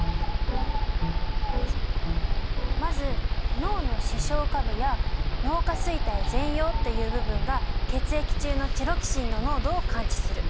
まず脳の視床下部や脳下垂体前葉っていう部分が血液中のチロキシンの濃度を感知する。